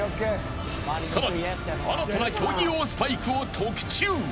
さらに新たな競技用スパイクを特注。